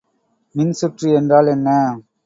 மின்சுற்று என்றால் என்ன?